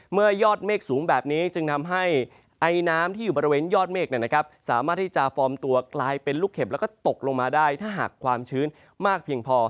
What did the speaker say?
ยอดเมฆสูงแบบนี้จึงทำให้ไอน้ำที่อยู่บริเวณยอดเมฆสามารถที่จะฟอร์มตัวกลายเป็นลูกเห็บแล้วก็ตกลงมาได้ถ้าหากความชื้นมากเพียงพอ